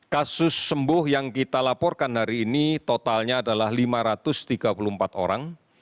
kasus sembuh yang kita laporkan hari ini totalnya adalah lima ratus tiga puluh empat orang